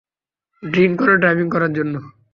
Drink করে driving করার জন্য!